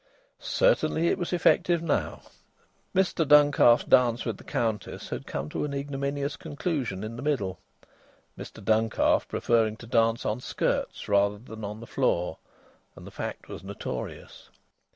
Certainly it was effective now. Mr Duncalf's dance with the Countess had come to an ignominious conclusion in the middle, Mr Duncalf preferring to dance on skirts rather than on the floor, and the fact was notorious.